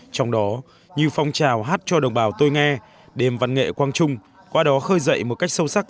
trong đó như phong trào hát cho đồng bào tôi nghe đêm văn nghệ quang trung qua đó khơi dậy một cách sâu sắc